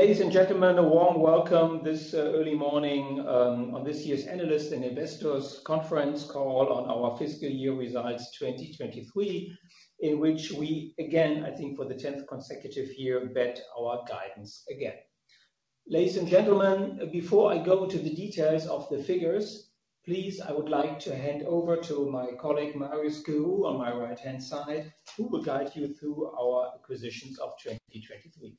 Ladies and gentlemen, a warm welcome this early morning on this year's Analysts and Investors Conference call on our fiscal year results 2023, in which we again, I think for the 10th consecutive year, beat our guidance again. Ladies and gentlemen, before I go to the details of the figures, please, I would like to hand over to my colleague Mario Schirru on my right-hand side, who will guide you through our acquisitions of 2023.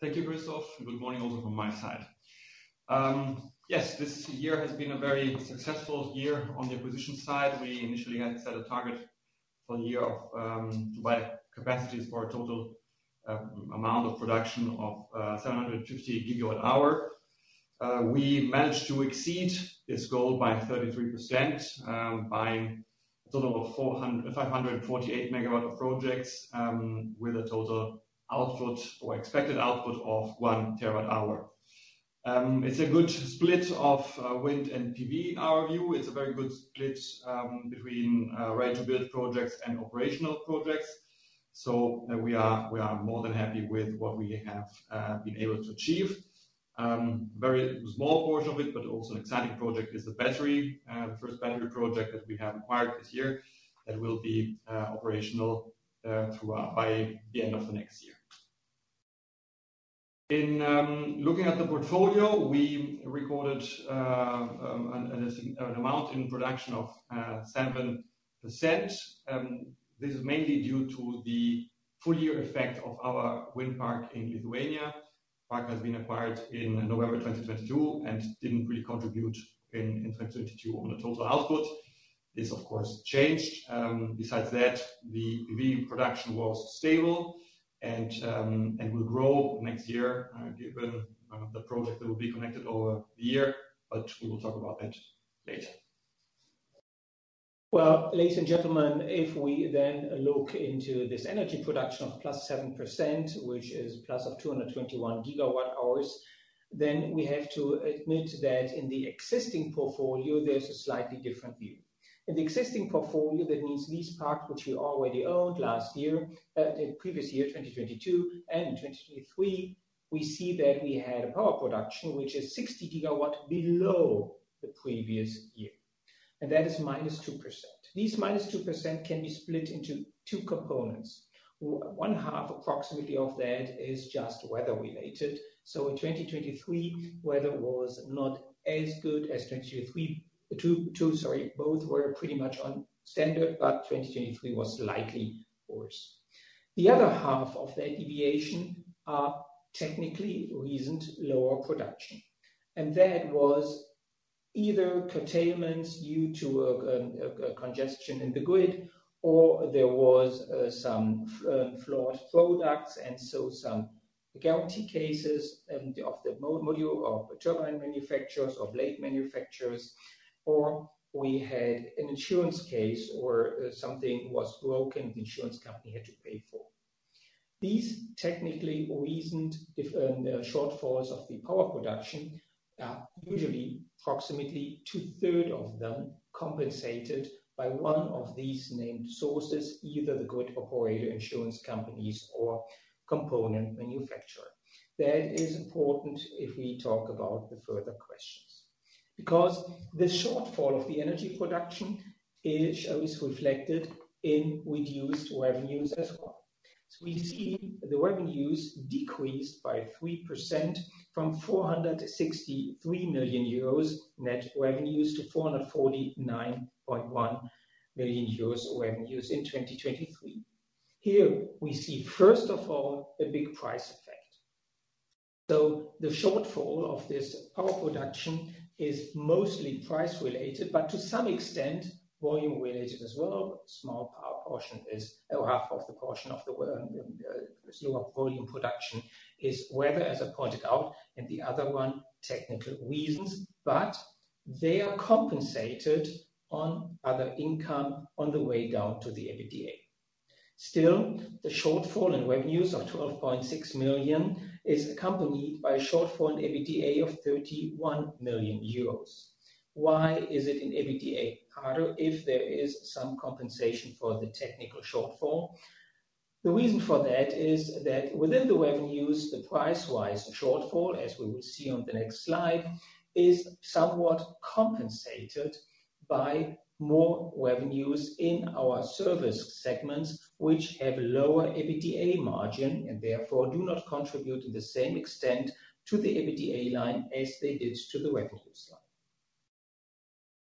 Thank you, Christoph. Good morning also from my side. Yes, this year has been a very successful year on the acquisitions side. We initially had set a target for the year to buy capacities for a total amount of production of 750 GWh. We managed to exceed this goal by 33%, buying a total of 548 MW of projects with a total output or expected output of 1 TWh. It's a good split of wind and PV in our view. It's a very good split between ready-to-build projects and operational projects. So we are more than happy with what we have been able to achieve. A very small portion of it, but also an exciting project, is the battery, the first battery project that we have acquired this year that will be operational by the end of the next year. In looking at the portfolio, we recorded an amount in production of 7%. This is mainly due to the full-year effect of our wind park in Lithuania. The park has been acquired in November 2022 and didn't really contribute in 2022 on the total output. This, of course, changed. Besides that, the PV production was stable and will grow next year, given the project that will be connected over the year, but we will talk about that later. Well, ladies and gentlemen, if we then look into this energy production of +7%, which is +221 GWh, then we have to admit that in the existing portfolio, there's a slightly different view. In the existing portfolio, that means these parks, which we already owned last year, the previous year, 2022, and 2023, we see that we had a power production which is 60 GWh below the previous year. And that is -2%. These -2% can be split into two components. One half approximately of that is just weather-related. So in 2023, weather was not as good as 2023. Sorry, both were pretty much on standard, but 2023 was slightly worse. The other half of that deviation are technically reasoned lower production. That was either curtailments due to congestion in the grid or there was some flawed products, and so some guarantee cases of the module or turbine manufacturers or blade manufacturers, or we had an insurance case or something was broken, the insurance company had to pay for. These technically reasoned shortfalls of the power production are usually approximately two-thirds of them compensated by one of these named sources, either the grid operator, insurance companies or component manufacturer. That is important if we talk about the further questions. Because the shortfall of the energy production is reflected in reduced revenues as well. So we see the revenues decreased by 3% from 463 million euros net revenues to 449.1 million euros revenues in 2023. Here we see, first of all, a big price effect. So the shortfall of this power production is mostly price-related, but to some extent, volume-related as well. A small power portion is half of the portion of the slow-up volume production is weather, as I pointed out, and the other one, technical reasons, but they are compensated on other income on the way down to the EBITDA. Still, the shortfall in revenues of 12.6 million is accompanied by a shortfall in EBITDA of 31 million euros. Why is it in EBITDA harder if there is some compensation for the technical shortfall? The reason for that is that within the revenues, the price-wise shortfall, as we will see on the next slide, is somewhat compensated by more revenues in our service segments, which have lower EBITDA margin and therefore do not contribute in the same extent to the EBITDA line as they did to the revenues line.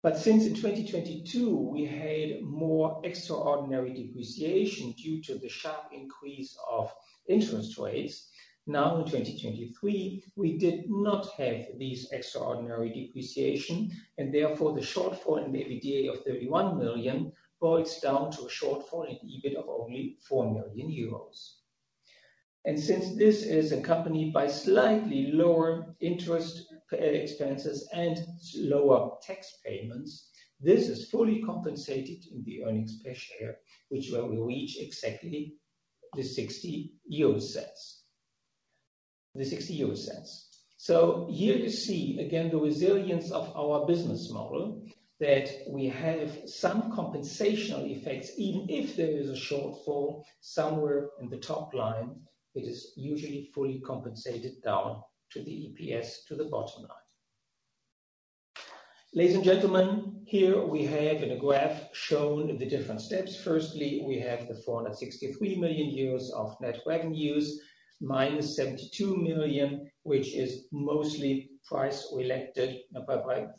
But since in 2022, we had more extraordinary depreciation due to the sharp increase of interest rates. Now in 2023, we did not have these extraordinary depreciation, and therefore the shortfall in the EBITDA of 31 million boils down to a shortfall in EBIT of only 4 million euros. And since this is accompanied by slightly lower interest expenses and lower tax payments, this is fully compensated in the earnings per share, which will reach exactly the 0.60. The 0.60. So here you see again the resilience of our business model, that we have some compensational effects even if there is a shortfall somewhere in the top line. It is usually fully compensated down to the EPS, to the bottom line. Ladies and gentlemen, here we have in a graph shown the different steps. Firstly, we have the 463 million euros of net revenues minus 72 million, which is mostly price-related,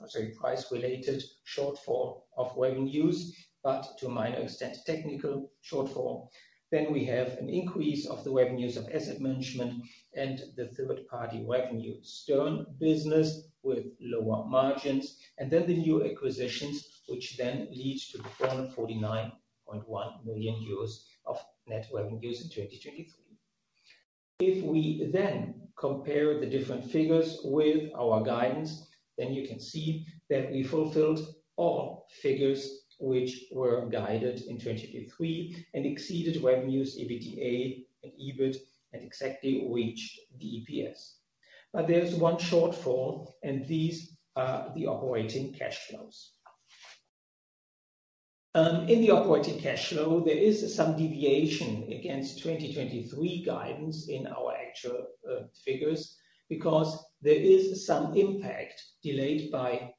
sorry, price-related shortfall of revenues, but to a minor extent, technical shortfall. Then we have an increase of the revenues of asset management and the third-party revenue, Stern Business, with lower margins, and then the new acquisitions, which then lead to the 449.1 million euros of net revenues in 2023. If we then compare the different figures with our guidance, then you can see that we fulfilled all figures which were guided in 2023 and exceeded revenues, EBITDA, and EBIT and exactly reached the EPS. But there's one shortfall, and these are the operating cash flows. In the operating cash flow, there is some deviation against 2023 guidance in our actual figures because there is some impact delayed by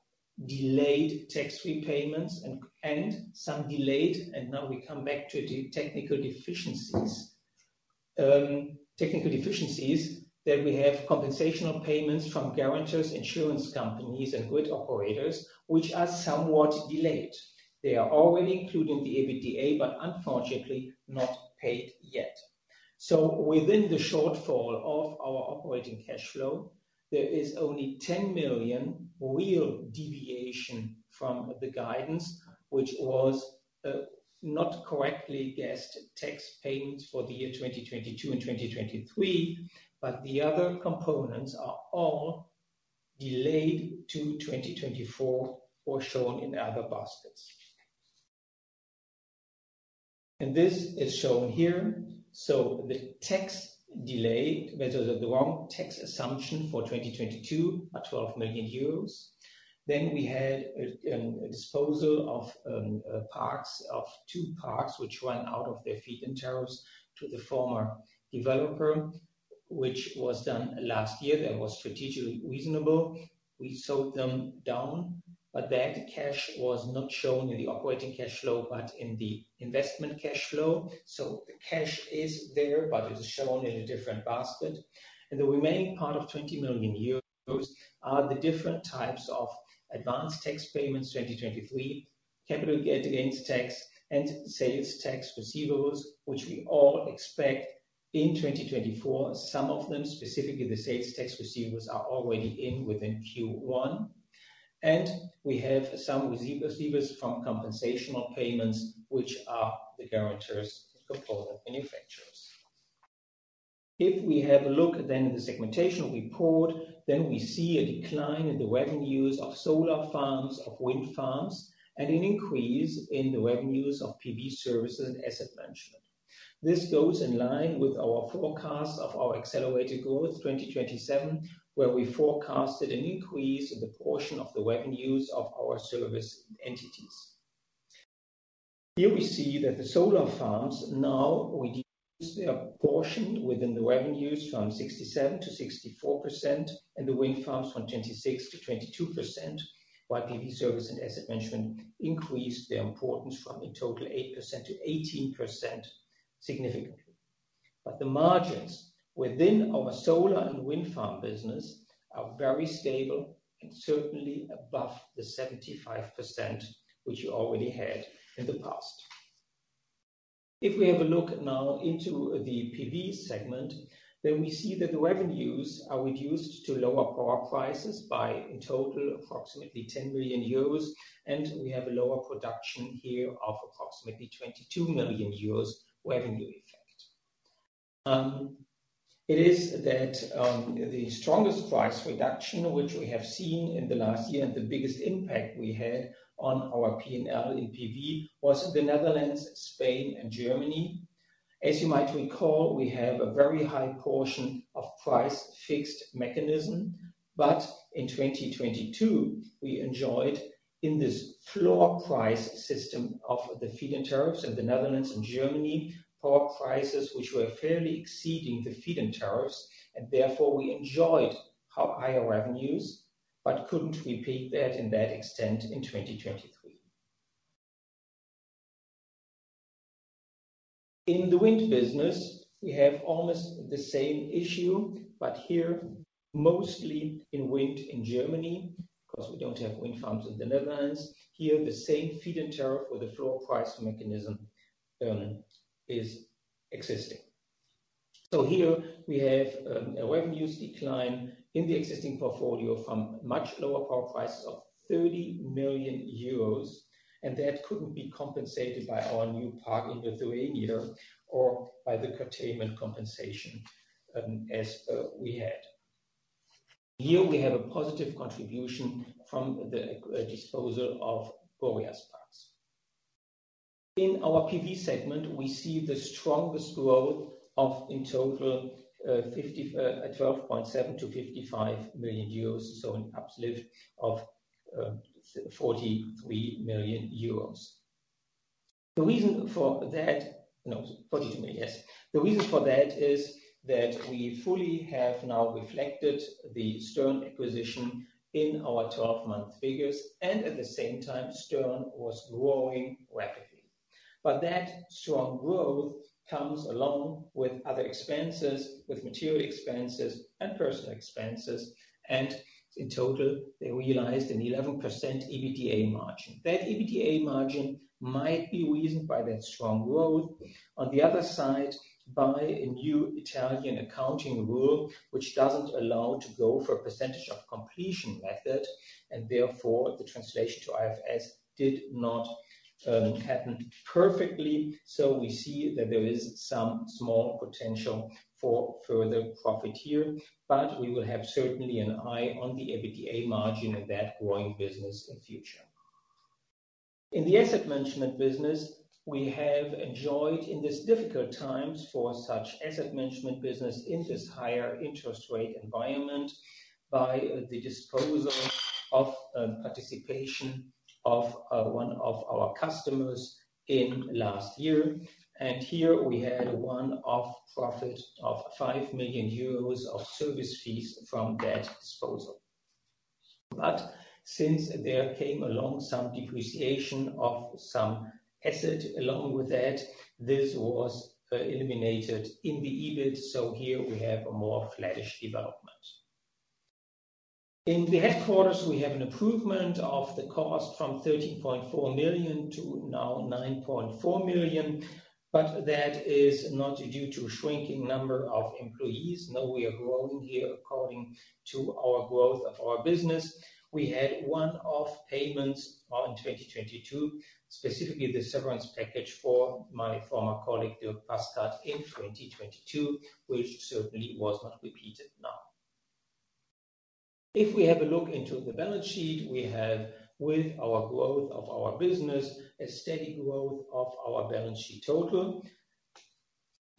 delayed tax-free payments and some delayed, and now we come back to the technical deficiencies. Technical deficiencies that we have compensational payments from guarantors, insurance companies, and grid operators, which are somewhat delayed. They are already including the EBITDA, but unfortunately not paid yet. So within the shortfall of our operating cash flow, there is only 10 million real deviation from the guidance, which was not correctly guessed tax payments for the year 2022 and 2023, but the other components are all delayed to 2024 or shown in other baskets. And this is shown here. So the tax delay, there's a wrong tax assumption for 2022 at 12 million euros. Then we had a disposal of parks, of two parks, which ran out of their feed-in tariffs to the former developer, which was done last year. That was strategically reasonable. We sold them down, but that cash was not shown in the operating cash flow, but in the investment cash flow. So the cash is there, but it is shown in a different basket. The remaining part of 20 million euros are the different types of advanced tax payments 2023, capital gain tax and sales tax receivables, which we all expect in 2024. Some of them, specifically the sales tax receivables, are already in within Q1. We have some receivables from compensational payments, which are the guarantors and component manufacturers. If we have a look then at the segmentation report, then we see a decline in the revenues of solar farms, of wind farms, and an increase in the revenues of PV services and asset management. This goes in line with our forecast of our Accelerated Growth 2027, where we forecasted an increase in the portion of the revenues of our service entities. Here we see that the solar farms now reduce their portion within the revenues from 67%-64% and the wind farms from 26%-22%, while PV service and asset management increased their importance from a total of 8%-18% significantly. But the margins within our solar and wind farm business are very stable and certainly above the 75%, which you already had in the past. If we have a look now into the PV segment, then we see that the revenues are reduced to lower power prices by in total approximately 10 million euros, and we have a lower production here of approximately 22 million euros revenue effect. It is that the strongest price reduction, which we have seen in the last year and the biggest impact we had on our P&L in PV was in the Netherlands, Spain, and Germany. As you might recall, we have a very high portion of price fixed mechanism, but in 2022, we enjoyed in this floor price system of the feed-in tariffs in the Netherlands and Germany power prices, which were fairly exceeding the feed-in tariffs, and therefore we enjoyed higher revenues, but couldn't repeat that in that extent in 2023. In the wind business, we have almost the same issue, but here mostly in wind in Germany because we don't have wind farms in the Netherlands. Here, the same feed-in tariff or the floor price mechanism is existing. So here we have a revenues decline in the existing portfolio from much lower power prices of 30 million euros, and that couldn't be compensated by our new park in Lithuania or by the curtailment compensation as we had. Here we have a positive contribution from the disposal of Boreas parks. In our PV segment, we see the strongest growth of in total 12.7 million-55 million euros, so an uplift of 43 million euros. The reason for that, no, 42 million, yes. The reason for that is that we fully have now reflected the Stern acquisition in our 12-month figures, and at the same time, Stern was growing rapidly. But that strong growth comes along with other expenses, with material expenses and personal expenses, and in total, they realized an 11% EBITDA margin. That EBITDA margin might be reasoned by that strong growth. On the other side, by a new Italian accounting rule, which doesn't allow to go for a percentage of completion method, and therefore the translation to IFRS did not happen perfectly, so we see that there is some small potential for further profit here, but we will have certainly an eye on the EBITDA margin in that growing business in the future. In the asset management business, we have enjoyed in these difficult times for such asset management business in this higher interest rate environment by the disposal of participation of one of our customers in last year. And here we had one-off profit of 5 million euros of service fees from that disposal. But since there came along some depreciation of some asset along with that, this was eliminated in the EBIT, so here we have a more flatish development. In the headquarters, we have an improvement of the cost from 13.4 million to now 9.4 million, but that is not due to a shrinking number of employees. No, we are growing here according to our growth of our business. We had one-off payments in 2022, specifically the severance package for my former colleague, Dierk Paskert, in 2022, which certainly was not repeated now. If we have a look into the balance sheet, we have, with our growth of our business, a steady growth of our balance sheet total.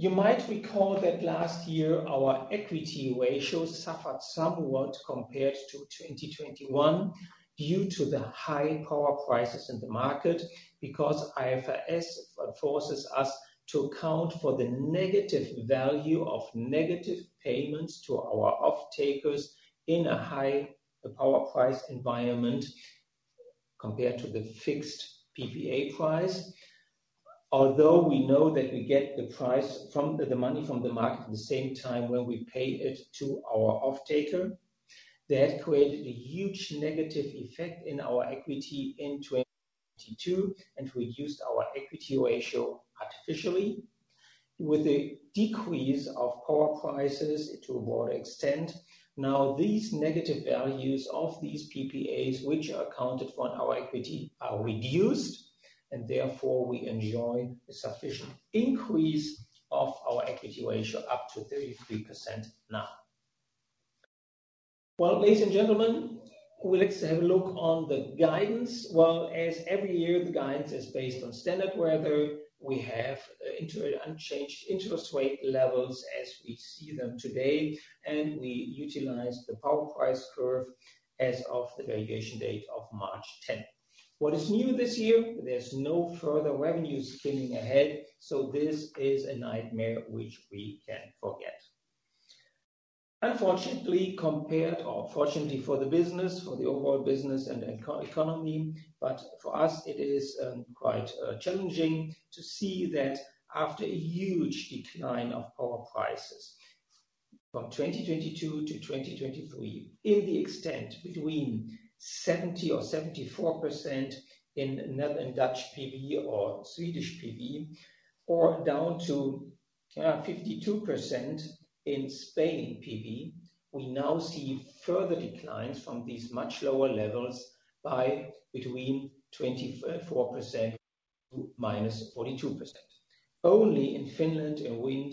You might recall that last year our equity ratio suffered somewhat compared to 2021 due to the high power prices in the market because IFRS forces us to account for the negative value of negative payments to our off-takers in a high power price environment compared to the fixed PPA price. Although we know that we get the price from the money from the market at the same time when we pay it to our off-taker, that created a huge negative effect in our equity in 2022 and reduced our equity ratio artificially. With the decrease of power prices to a broader extent, now these negative values of these PPAs, which are accounted for in our equity, are reduced, and therefore we enjoy a sufficient increase of our equity ratio up to 33% now. Well, ladies and gentlemen, we'd like to have a look on the guidance. Well, as every year, the guidance is based on standard weather. We have unchanged interest rate levels as we see them today, and we utilize the power price curve as of the valuation date of March 10th. What is new this year? There's no further revenues coming ahead, so this is a nightmare which we can forget. Unfortunately, compared or fortunately for the business, for the overall business and economy, but for us, it is quite challenging to see that after a huge decline of power prices from 2022 to 2023, in the extent between 70% or 74% in Netherlands, Dutch PV, or Swedish PV, or down to 52% in Spain PV, we now see further declines from these much lower levels by between 24% to -42%. Only in Finland and wind,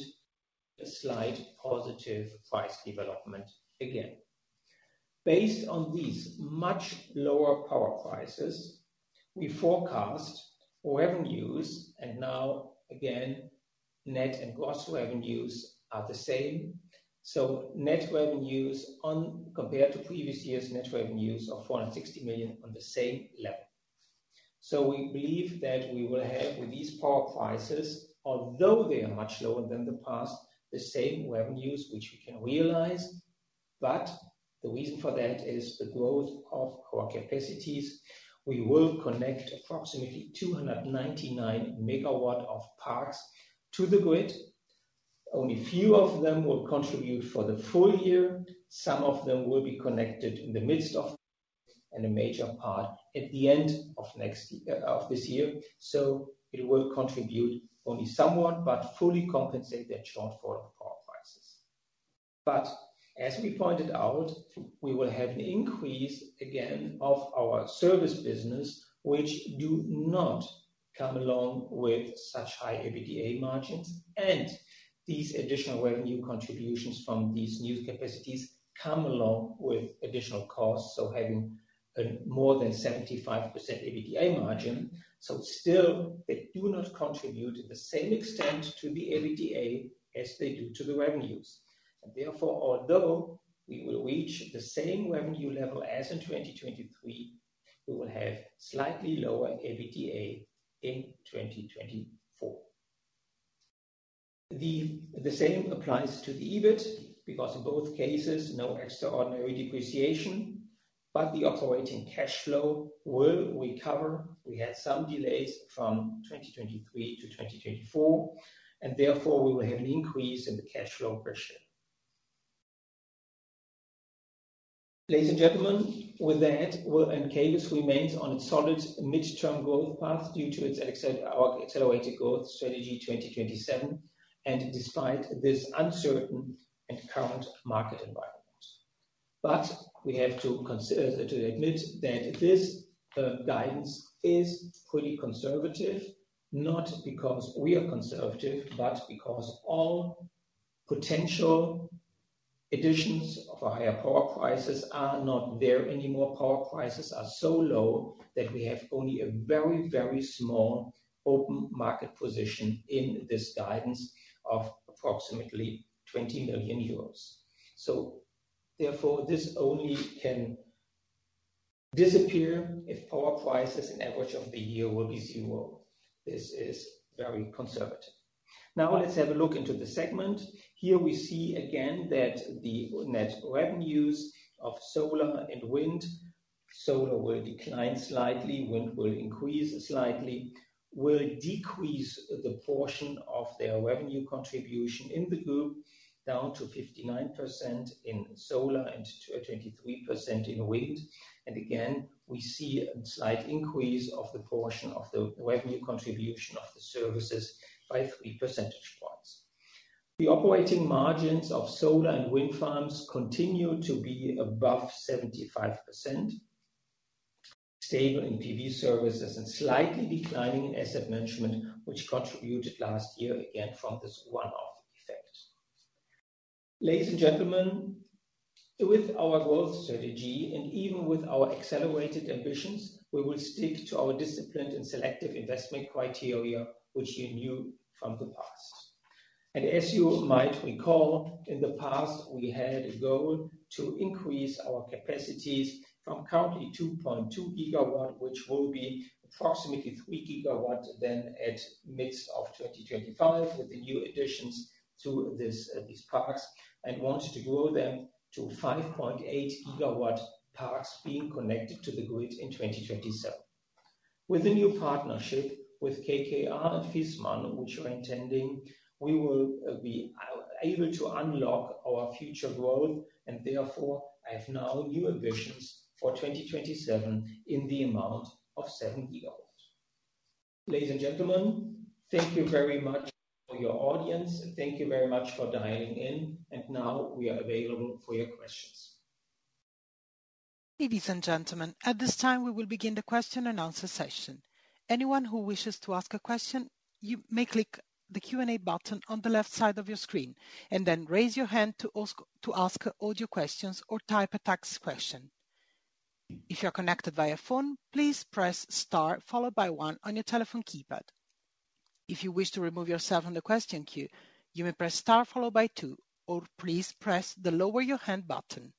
a slight positive price development again. Based on these much lower power prices, we forecast revenues, and now again, net and gross revenues are the same. So net revenues compared to previous years, net revenues of 460 million on the same level. So we believe that we will have with these power prices, although they are much lower than the past, the same revenues which we can realize, but the reason for that is the growth of core capacities. We will connect approximately 299 MW of parks to the grid. Only a few of them will contribute for the full year. Some of them will be connected in the midst of and a major part at the end of next year of this year, so it will contribute only somewhat, but fully compensate that shortfall of power prices. But as we pointed out, we will have an increase again of our service business, which do not come along with such high EBITDA margins, and these additional revenue contributions from these new capacities come along with additional costs, so having more than 75% EBITDA margin. So still, they do not contribute in the same extent to the EBITDA as they do to the revenues. And therefore, although we will reach the same revenue level as in 2023, we will have slightly lower EBITDA in 2024. The same applies to the EBIT because in both cases, no extraordinary depreciation, but the operating cash flow will recover. We had some delays from 2023 to 2024, and therefore we will have an increase in the cash flow pressure. Ladies and gentlemen, with that, Encavis remains on its solid mid-term growth path due to its Accelerated Growth Strategy 2027 and despite this uncertain and current market environment. But we have to admit that this guidance is pretty conservative, not because we are conservative, but because all potential additions of higher power prices are not there anymore. Power prices are so low that we have only a very, very small open market position in this guidance of approximately 20 million euros. So therefore, this only can disappear if power prices in the average of the year will be zero. This is very conservative. Now let's have a look into the segment. Here we see again that the net revenues of solar and wind (solar will decline slightly, wind will increase slightly) will decrease the portion of their revenue contribution in the group down to 59% in solar and 23% in wind. And again, we see a slight increase of the portion of the revenue contribution of the services by three percentage points. The operating margins of solar and wind farms continue to be above 75%, stable in PV services, and slightly declining in asset management, which contributed last year again from this one-off effect. Ladies and gentlemen, with our growth strategy and even with our accelerated ambitions, we will stick to our disciplined and selective investment criteria, which you knew from the past. As you might recall, in the past, we had a goal to increase our capacities from currently 2.2 GW, which will be approximately 3 GW then at midst of 2025 with the new additions to these parks, and wanted to grow them to 5.8 GW parks being connected to the grid in 2027. With the new partnership with KKR and Viessmann, which we're intending, we will be able to unlock our future growth, and therefore I have now new ambitions for 2027 in the amount of 7 GWs. Ladies and gentlemen, thank you very much for your audience. Thank you very much for dialing in, and now we are available for your questions. Ladies and gentlemen, at this time, we will begin the question-and-answer session. Anyone who wishes to ask a question, you may click the Q&A button on the left side of your screen and then raise your hand to ask all your questions or type a text question. If you're connected via phone, please press star followed by one on your telephone keypad. If you wish to remove yourself from the question queue, you may press star followed by two, or please press the lower your hand button.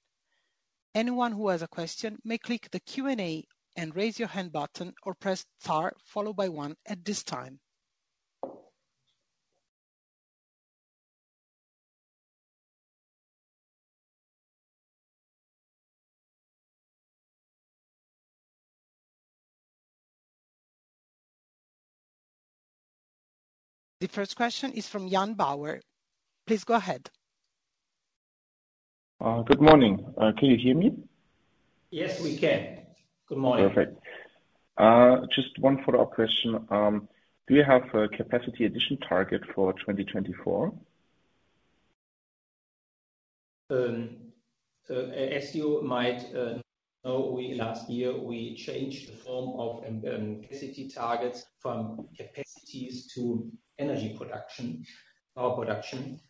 Anyone who has a question may click the Q&A and raise your hand button or press star followed by one at this time. The first question is from Jan Bauer. Please go ahead. Good morning. Can you hear me? Yes, we can. Good morning. Perfect. Just one follow-up question. Do you have a capacity addition target for 2024? As you might know, last year, we changed the form of capacity targets from capacities to energy production, power production.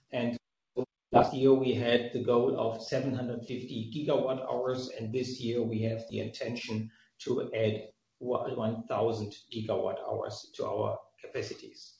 Last year, we had the goal of 750 GWh, and this year, we have the intention to add 1,000 GWh to our capacities.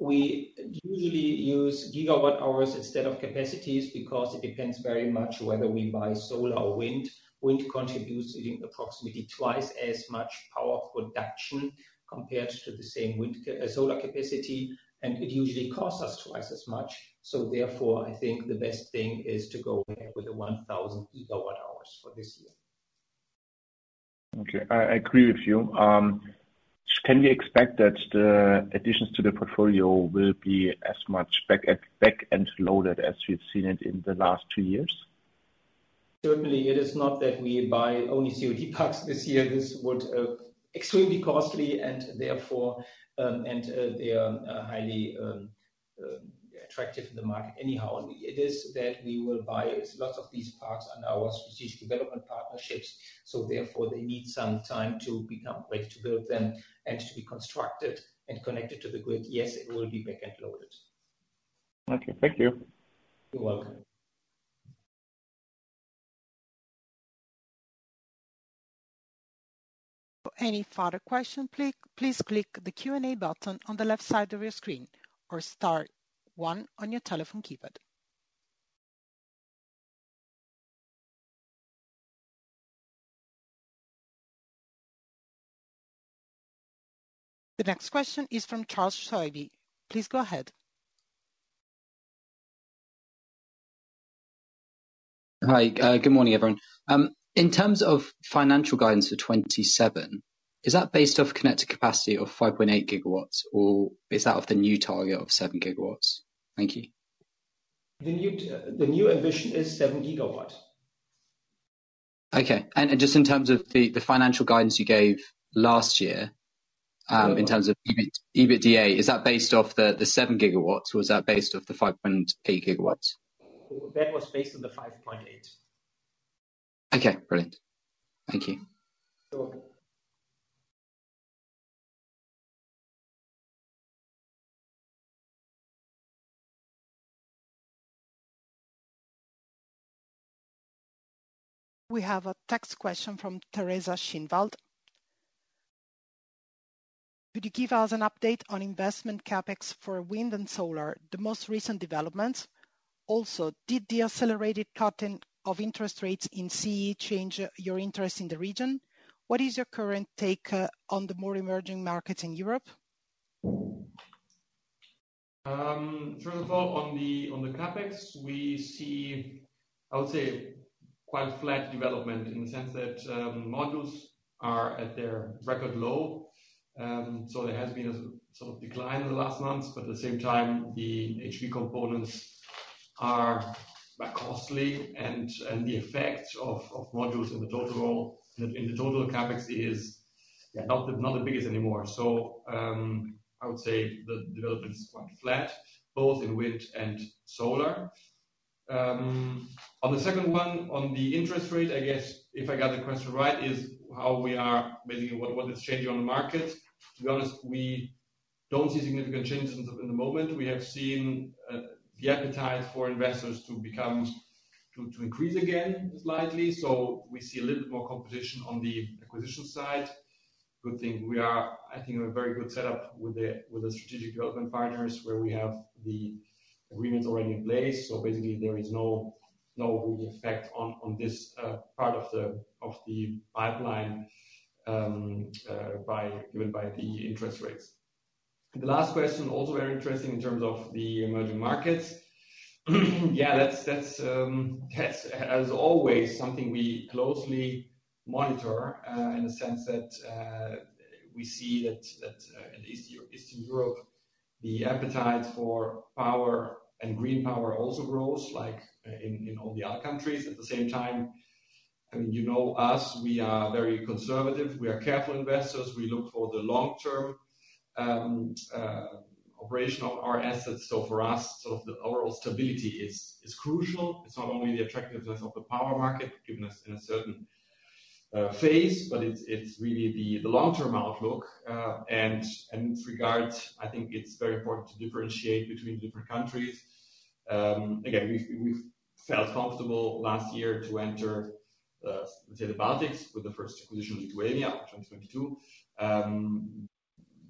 We usually use GWh instead of capacities because it depends very much whether we buy solar or wind. Wind contributes approximately twice as much power production compared to the same solar capacity, and it usually costs us twice as much. So therefore, I think the best thing is to go ahead with the 1,000 GWh for this year. Okay. I agree with you. Can we expect that the additions to the portfolio will be as much back-end loaded as we've seen it in the last two years? Certainly. It is not that we buy only COD parks this year. This would be extremely costly and therefore highly attractive in the market anyhow. It is that we will buy lots of these parks under our strategic development partnerships, so therefore, they need some time to become ready to build them and to be constructed and connected to the grid. Yes, it will be back-end loaded. Okay. Thank you. You're welcome. For any further question, please click the Q&A button on the left side of your screen or star one on your telephone keypad. The next question is from Charles Swabey. Please go ahead. Hi. Good morning, everyone. In terms of financial guidance for 2027, is that based off connected capacity of 5.8 GW, or is that of the new target of 7 GW? Thank you. The new ambition is 7 GW. Okay. And just in terms of the financial guidance you gave last year in terms of EBITDA, is that based off the 7 GW, or is that based off the 5.8 GW? That was based on the 5.8. Okay. Brilliant. Thank you. You're welcome. We have a text question from Teresa Schinwald. Could you give us an update on investment CapEx for wind and solar, the most recent developments? Also, did the accelerated cutting of interest rates in CE change your interest in the region? What is your current take on the more emerging markets in Europe? First of all, on the CapEx, we see, I would say, quite flat development in the sense that modules are at their record low. So there has been a sort of decline in the last months, but at the same time, the HV components are costly, and the effect of modules in the total CapEx is not the biggest anymore. So I would say the development is quite flat, both in wind and solar. On the second one, on the interest rate, I guess, if I got the question right, is how we are basically what is changing on the market. To be honest, we don't see significant changes in the moment. We have seen the appetite for investors to increase again slightly, so we see a little bit more competition on the acquisition side. Good thing. We are, I think, in a very good setup with the strategic development partners where we have the agreements already in place. So basically, there is no real effect on this part of the pipeline given by the interest rates. The last question, also very interesting in terms of the emerging markets. Yeah, that's, as always, something we closely monitor in the sense that we see that in Eastern Europe, the appetite for power and green power also grows like in all the other countries. At the same time, I mean, you know us. We are very conservative. We are careful investors. We look for the long-term operation of our assets. So for us, sort of the overall stability is crucial. It's not only the attractiveness of the power market given us in a certain phase, but it's really the long-term outlook. And in this regard, I think it's very important to differentiate between different countries. Again, we felt comfortable last year to enter the Baltics with the first acquisition of Lithuania in 2022,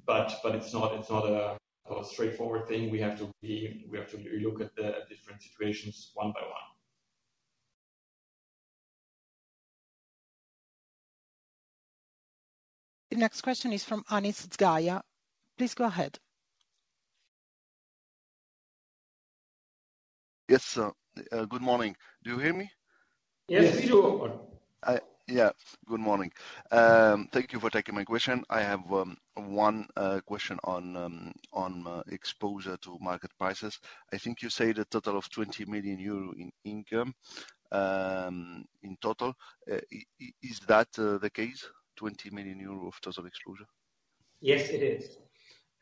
but it's not a straightforward thing. We have to look at different situations one by one. The next question is from Anis Zgaya. Please go ahead. Yes. Good morning. Do you hear me? Yes, we do. Yeah. Good morning. Thank you for taking my question. I have one question on exposure to market prices. I think you say the total of 20 million euro in income in total. Is that the case, 20 million euro of total exposure? Yes, it is.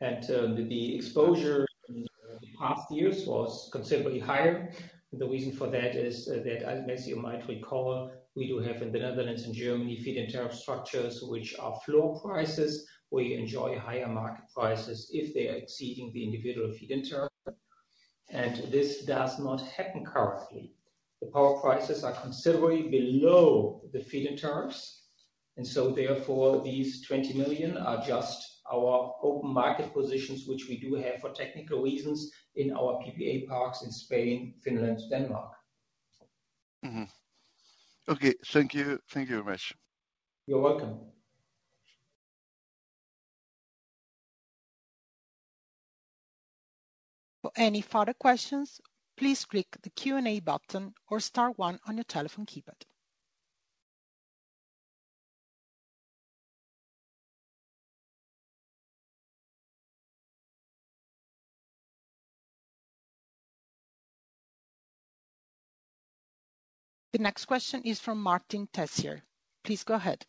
And the exposure in the past years was considerably higher. The reason for that is that, as you might recall, we do have in the Netherlands and Germany feed-in tariff structures, which are floor prices where you enjoy higher market prices if they are exceeding the individual feed-in tariff. This does not happen currently. The power prices are considerably below the feed-in tariffs. So therefore, these 20 million are just our open market positions, which we do have for technical reasons in our PPA parks in Spain, Finland, Denmark. Okay. Thank you. Thank you very much. You're welcome. For any further questions, please click the Q&A button or star one on your telephone keypad. The next question is from Martin Tessier. Please go ahead.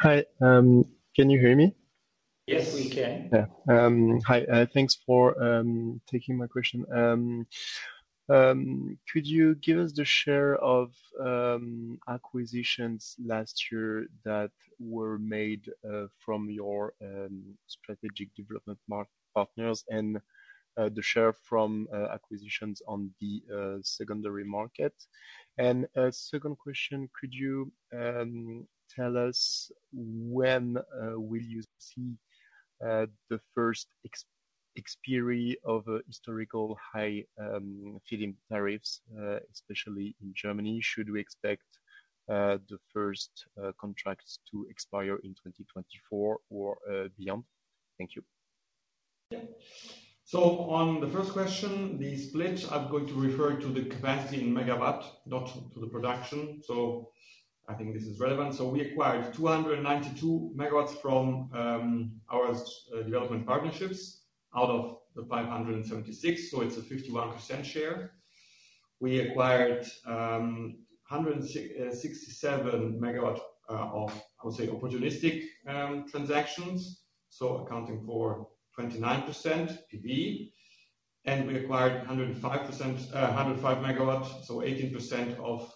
Hi. Can you hear me? Yes, we can. Hi. Thanks for taking my question. Could you give us the share of acquisitions last year that were made from your strategic development partners and the share from acquisitions on the secondary market? And second question, could you tell us when will you see the first expiry of historical high feed-in tariffs, especially in Germany? Should we expect the first contracts to expire in 2024 or beyond? Thank you. Yeah. So on the first question, the split, I'm going to refer to the capacity in megawatts, not to the production. So I think this is relevant. So we acquired 292 MW from our development partnerships out of the 576, so it's a 51% share. We acquired 167 MW of, I would say, opportunistic transactions, so accounting for 29% PV. And we acquired 105 MW, so 18% of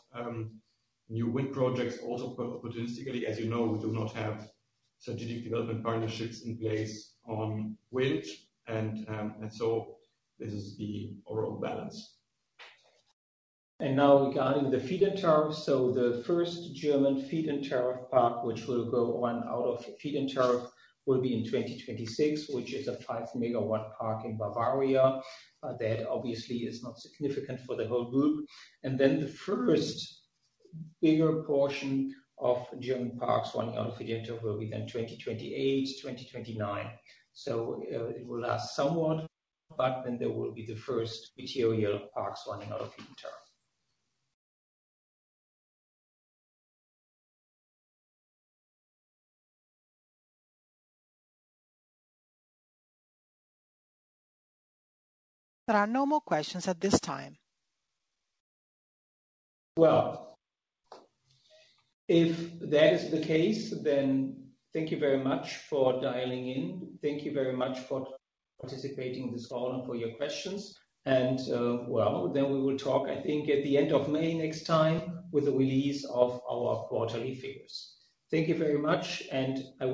new wind projects, also opportunistically. As you know, we do not have strategic development partnerships in place on wind, and so this is the overall balance. And now regarding the feed-in tariffs, so the first German feed-in tariff park, which will go on out of feed-in tariff, will be in 2026, which is a 5-MW park in Bavaria. That obviously is not significant for the whole group. And then the first bigger portion of German parks running out of feed-in tariff will be then 2028, 2029. So it will last somewhat, but then there will be the first material parks running out of feed-in tariff. There are no more questions at this time. Well, if that is the case, then thank you very much for dialing in. Thank you very much for participating in this call and for your questions. And well, then we will talk, I think, at the end of May next time with the release of our quarterly figures. Thank you very much, and I will...